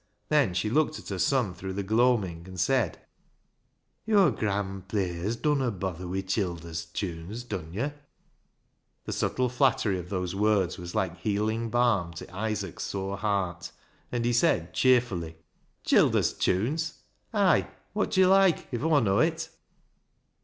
Then she looked at her son through the gloam ing, and said — "Yo' grand players dunno bother wi' childer's tunes, dun yo'? " The subtle flattery of these words was like healing balm to Isaac's sore heart, and he said cheerfully — 268 BECKSIDE LIGHTS " Childer's tunes? Ay, wot yo' loike, if Aw know it?